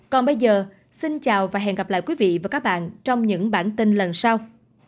còn bây giờ xin chào và hẹn gặp lại quý vị và các bạn trong những bản tin lần sau